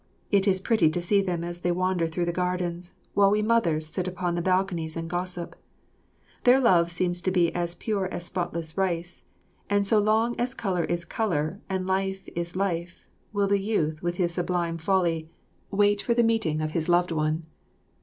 It is pretty to see them as they wander through the gardens, while we mothers sit upon the balconies and gossip. Their love seems to be as pure as spotless rice and "so long as colour is colour and life is life will the youth with his sublime folly wait for the meeting of his loved one."